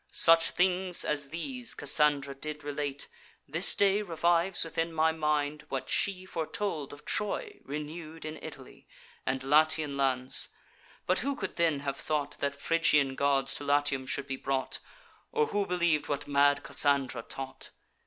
Such things as these Cassandra did relate. This day revives within my mind what she Foretold of Troy renew'd in Italy, And Latian lands; but who could then have thought That Phrygian gods to Latium should be brought, Or who believ'd what mad Cassandra taught?